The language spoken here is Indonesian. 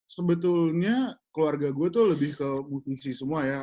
sebetulnya keluarga gue tuh lebih ke fungsi semua ya